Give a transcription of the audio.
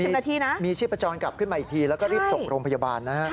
นาทีนะมีชีพจรกลับขึ้นมาอีกทีแล้วก็รีบส่งโรงพยาบาลนะฮะ